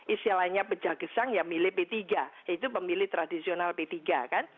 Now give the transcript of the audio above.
istilahnya pejahgesang yang milih b tiga itu pemilih tradisional b tiga kan